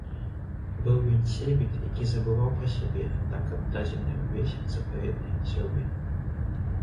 Быў ён сейбіт, які забываў пра сябе, так аддадзены ўвесь запаветнай сяўбе!